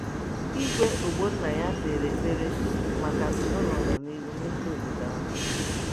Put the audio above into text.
Igwe Ogbonnaya kpere ekpere maka udo na ọganihu n'isi obodo ahụ